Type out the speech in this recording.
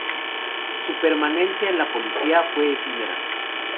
Su permanencia en la policía fue efímera.